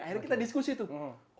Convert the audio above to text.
akhirnya kita diskusi tuh